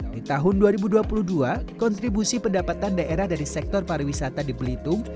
di tahun dua ribu dua puluh dua kontribusi pendapatan daerah dari sektor pariwisata di belitung